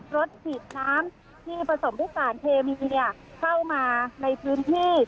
รถฉีดน้ำที่ผสมทุกสารเคมีเข้ามาในพื้นที่